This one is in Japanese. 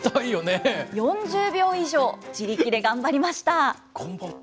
４０秒以上、自力で頑張りました。